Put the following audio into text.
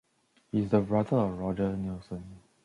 He is the brother of Roger Nilsen.